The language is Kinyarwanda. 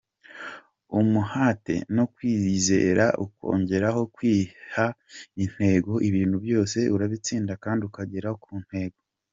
Umuhate no kwiyizera ukongeraho kwiha intego, ibintu byose urabitsinda kandi ukagera kuntego.